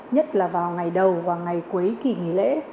nhất là vào ngày đầu và ngày cuối kỳ nghỉ lễ